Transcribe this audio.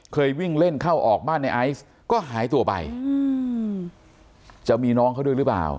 วิ่งเล่นเข้าออกบ้านในไอซ์ก็หายตัวไปอืมจะมีน้องเขาด้วยหรือเปล่า